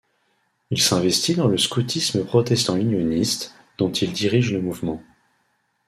Il s'investit dans le scoutisme protestant unioniste, dont il dirige le mouvement.